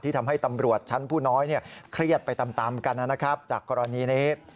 ทำให้ตำรวจชั้นผู้น้อยเครียดไปตามกันนะครับจากกรณีนี้